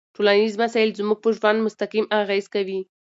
ټولنيز مسایل زموږ په ژوند مستقیم اغېز کوي.